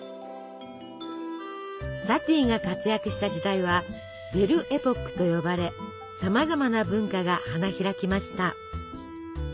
サティが活躍した時代は「ベル・エポック」と呼ばれさまざまな文化が花開きました。